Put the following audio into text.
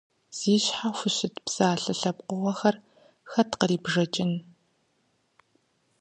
Зи щхьэ хущыт псалъэ лъэпкъыгъуэхэр хэт кърибжэкӏын?